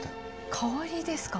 香りですか？